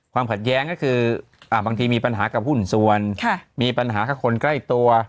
ขัดแย้งก็คือบางทีมีปัญหากับหุ้นส่วนมีปัญหากับคนใกล้ตัว